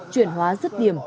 chuyển hóa dứt điểm